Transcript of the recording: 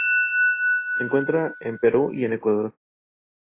La ganadora fue Sarah-Jane Hutt de Reino Unido.